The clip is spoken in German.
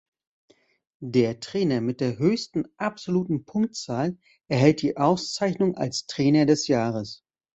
Der Trainer mit der höchsten absoluten Punktzahl erhält die Auszeichnung als Trainer des Jahres.